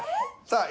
さあ